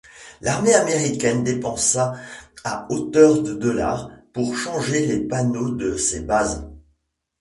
L'armée américaine dépensa à hauteur de $ pour changer les panneaux de ses bases.